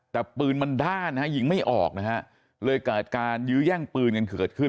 แต่ปืนมันด้านนะฮะยิงไม่ออกนะฮะเลยเกิดการยื้อแย่งปืนกันเกิดขึ้น